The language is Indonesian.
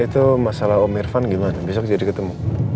itu masalah om irfan gimana besok jadi ketemu